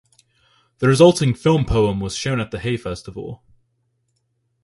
The resulting film poem was shown at the Hay Festival.